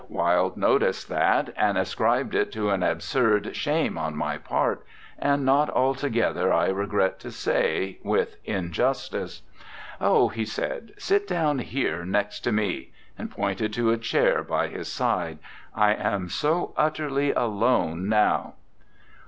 Wilde noticed that and ascribed it to an absurd shame on my part, and not altogether, I regret to say, with injustice. "Oh," he said, "sit down here, next to me," and pointed to a chair by his side, "I am so utterly alone now!"